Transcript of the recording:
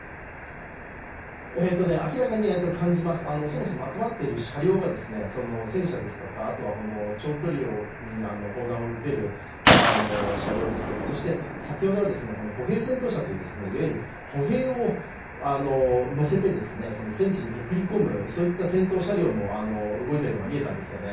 明らかに感じます、そもそも集まっている車両が戦車ですとか、あとは長距離に砲弾を撃てる車両ですとかそして先ほどは、歩兵戦闘車といういわゆる歩兵を乗せて戦地に送り込むといった戦闘車両も動いているのが見えたんですよね、